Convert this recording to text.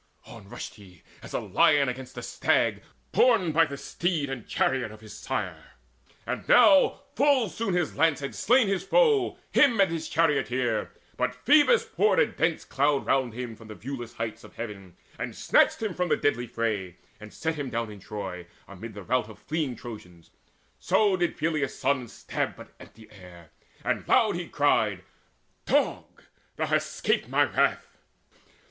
On rushed he, as a lion against a stag, Borne by the steeds and chariot of his sire. And now full soon his lance had slain his foe, Him and his charioteer but Phoebus poured A dense cloud round him from the viewless heights Of heaven, and snatched him from the deadly fray, And set him down in Troy, amid the rout Of fleeing Trojans: so did Peleus' son Stab but the empty air; and loud he cried: "Dog, thou hast 'scaped my wrath!